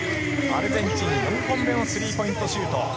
アルゼンチン、４本目のスリーポイントシュート。